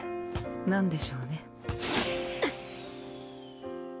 なんでしょうね。